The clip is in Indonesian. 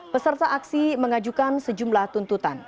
peserta aksi mengajukan sejumlah tuntutan